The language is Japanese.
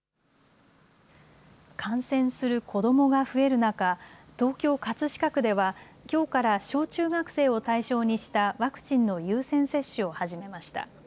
感染する子どもが増える中、東京葛飾区ではきょうから小中学生を対象にしたワクチンの優先接種を始めました。